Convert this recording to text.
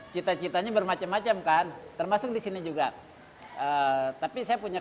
kita kitanya bermacam macam kan terlihat kira kira semuanya juga dengan tetap di dalam posisi pemengang dan